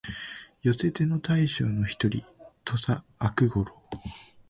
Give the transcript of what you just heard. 寄せ手の大将の一人、土岐悪五郎